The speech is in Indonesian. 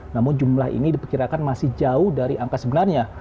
namun jumlah ini diperkirakan masih jauh dari angka sebenarnya